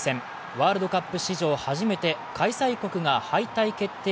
ワールドカップ史上初めて開催国が敗退決定